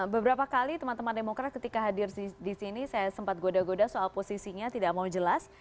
beberapa kali teman teman demokrat ketika hadir di sini saya sempat goda goda soal posisinya tidak mau jelas